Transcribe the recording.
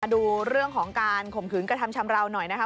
ดูเรื่องของการข่มขืนกระทำชำราวหน่อยนะคะ